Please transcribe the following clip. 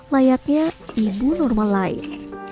layaknya ibu normal lain